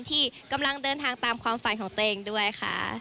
ที่กำลังเดินทางตามความฝันของตัวเองด้วยค่ะ